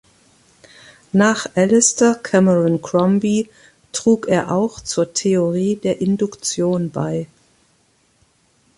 Nach Alistair Cameron Crombie trug er auch zur Theorie der Induktion bei.